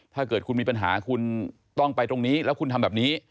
ถ้าเกิดคุณมีปัญหาคุณต้องไปตรงนี้แล้วคุณทำแบบนี้